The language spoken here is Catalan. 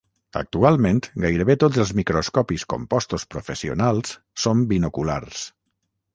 Actualment, gairebé tots els microscopis compostos professionals són binoculars.